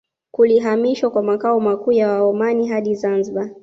Kulihamishwa kwa makao makuu ya Waomani hadi Zanzibar